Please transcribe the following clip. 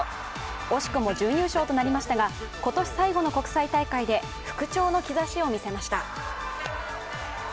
惜しくも準優勝となりましたが今年最後の国際大会で復調の兆しを見せました。